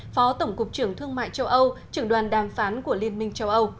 phó tổng cục trưởng thương mại châu âu trưởng đoàn đàm phán của liên minh châu âu